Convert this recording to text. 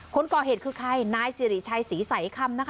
คนก่อเหตุคือใครนายสิริชัยศรีใสคำนะคะ